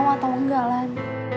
lo mau atau enggak lan